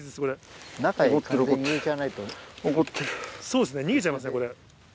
そうですね逃げちゃいますねこれ。